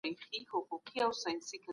سیاستوال څنګه فردي ازادۍ ته وده ورکوي؟